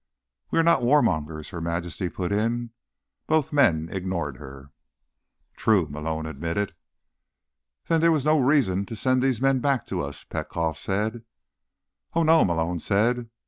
"We're not warmongers," Her Majesty put in. Both men ignored her. "True," Malone admitted. "Then there was no reason to send these men back to us," Petkoff said. "Oh, no," Malone said.